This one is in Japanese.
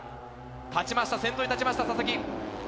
立ちました、先頭に立ちました、佐々木。